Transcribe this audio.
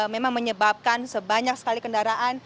memang menyebabkan sebanyak sekali kendaraan